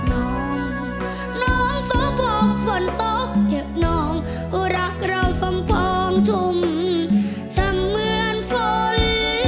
กอดน้องน้องสะพกฝนตกเจ็บน้องรักเราสมพองชุมช่างเหมือนฝน